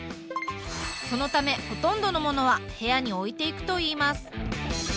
そのためほとんどのものは部屋に置いていくといいます。